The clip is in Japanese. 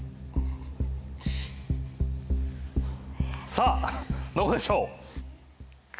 さあどこでしょう。